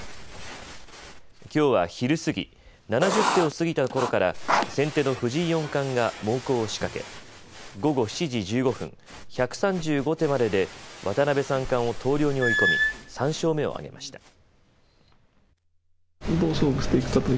きょうは昼過ぎ、７０手を過ぎたころから先手の藤井四冠が猛攻を仕掛け午後７時１５分１３５手までで渡辺三冠を投了に追い込み３勝目を挙げました。